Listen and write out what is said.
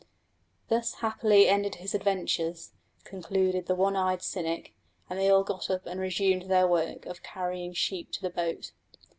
"Thus happily ended his adventures," concluded the one eyed cynic, and they all got up and resumed their work of carrying sheep to the boat.